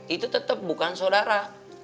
itu tetep bukan sodara